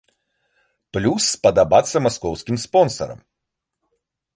Плюс спадабацца маскоўскім спонсарам.